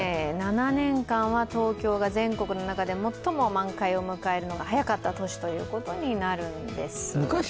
７年間は東京が全国の中で最も満開を迎えるのが早かった年ということになるんです。